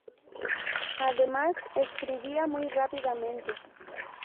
Además, escribía muy rápidamente.